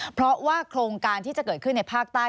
เพราะว่าโครงการที่จะเกิดขึ้นในภาคใต้